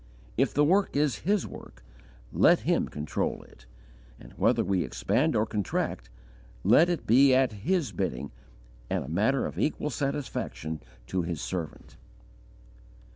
If the work is His work, let Him control it, and, whether we expand or contract, let it be at His bidding, and a matter of equal satisfaction to His servant.